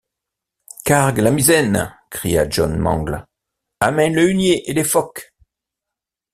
Cargue la misaine! cria John Mangles ; amène le hunier et les focs !